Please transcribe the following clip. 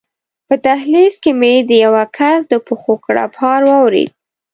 په دهلېز کې مې د یوه کس د پښو کړپهار واورېد.